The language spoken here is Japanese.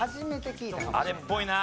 あれっぽいな。